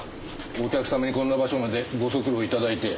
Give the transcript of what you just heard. お客様にこんな場所までご足労頂いて。